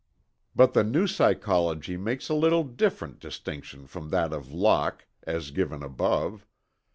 But the New Psychology makes a little different distinction from that of Locke, as given above.